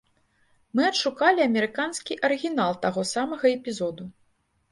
Мы адшукалі амерыканскі арыгінал таго самага эпізоду.